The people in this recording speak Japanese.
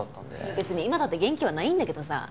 別に今だって元気はないんだけどさ。